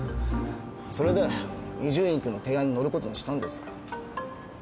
それで伊集院君の提案にのることにしたんです。